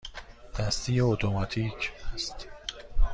دستی یا اتوماتیک است؟